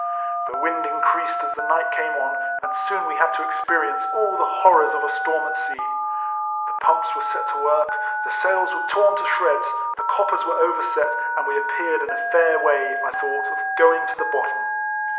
The wind increased as the night came on, and soon we had to experience all the horrors of a storm at sea. The pumps were set to work; the sails were torn to shreds; the coppers were overset; and we appeared in a fair way, I thought, of going to the bottom.